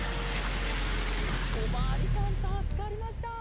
おまわりさんたすかりました。